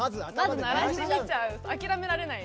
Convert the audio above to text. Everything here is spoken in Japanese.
諦められない。